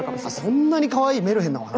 そんなにかわいいメルヘンなお話？